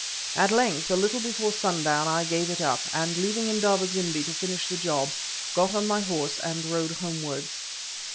At length, a little before sundown, I gave it up, and leaving Indaba zimbi to finish the job, got on my horse and rode homewards.